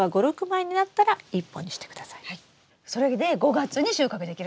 ３回目はそれで５月に収穫できるんですよね。